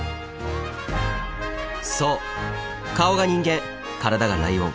そう顔が人間体がライオン。